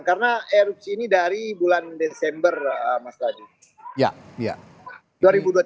karena erupsi ini dari bulan desember mas lajus